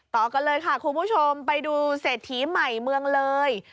ต่อกันเลยค่ะคุณผู้ชมไปดูเศรษฐีใหม่เมืองเลย